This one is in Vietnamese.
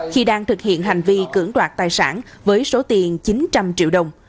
khi đang thực hiện hành vi cưỡng đoạt tài sản với số tiền chín trăm linh triệu đồng